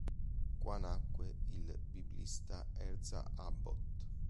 Qua nacque il biblista Ezra Abbot.